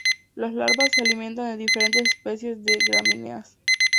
Las larvas se alimentan de diferentes especies de gramíneas.